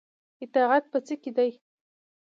اطاعت په څه کې دی؟